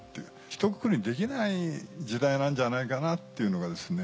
一くくりにできない時代なんじゃないかなっていうのがですね